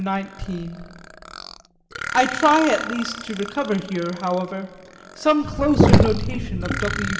XIX I try at least to recover here, however, some closer notation of W.